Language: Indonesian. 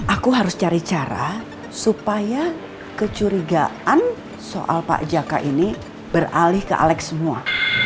aku harus cari cara supaya kecurigaan soal pak jaka ini beralih ke alex semua